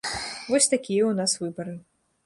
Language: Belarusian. Вось такія ў нас выбары.